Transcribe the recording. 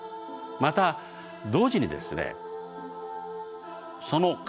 また同時にですね